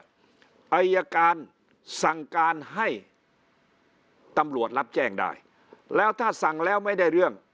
อายการสั่งการให้ตำรวจรับแจ้งได้แล้วถ้าสั่งแล้วไม่ได้เรื่อง